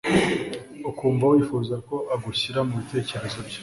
ukumva wifuza ko agushyira mu bitekerezo bye